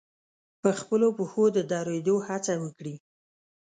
په خپلو پښو د درېدو هڅه وکړي.